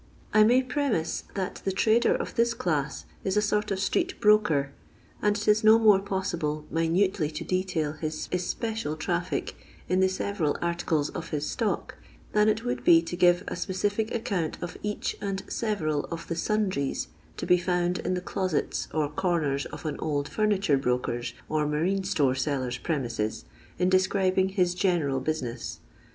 I may premise that the trader of this class is a sort of street broker; and it is no more possible minutely to detail his especial traffic in the several articles of his stock, than it would be to give a spe cific account of each and several of the " sundries" to be found in the closets or corners of an old furni ttirc broker's or marine store seller's premises, in describing his general business.